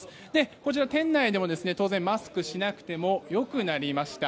こちら、店内でも当然マスクをしなくてもよくなりました。